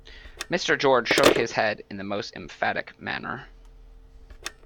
Mr. George shook his head in the most emphatic manner.